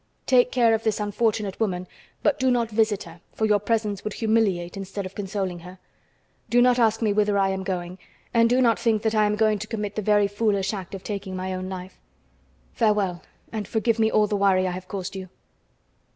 Take care of this unfortunate woman, but do not visit her, for your presence would humiliate instead of consoling her. Do not ask me whither I am going, and do not think that I am going to commit the very foolish act of taking my own life. Farewell, and forgive me all the worry I have caused you."